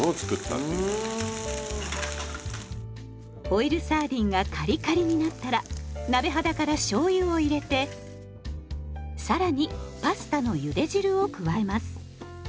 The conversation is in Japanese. オイルサーディンがカリカリになったら鍋肌からしょうゆを入れて更にパスタのゆで汁を加えます。